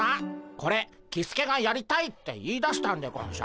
これキスケがやりたいって言いだしたんでゴンショ？